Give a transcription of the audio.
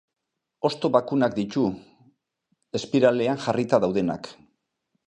Hosto bakunak ditu, espiralean jarrita daudenak.